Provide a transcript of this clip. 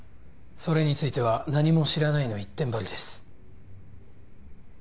それについては「何も知らない」の一点張りです